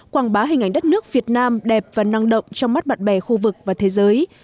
quảng bá hình ảnh đất nước việt nam đẹp và năng động trong mắt bạn bè khu vực và thế giới